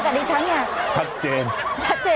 อุ๊ยผู้หญิงคนนี้พักกู้เดียวกันอีกครั้งนี้